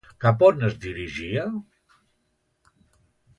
Cap a on es dirigia?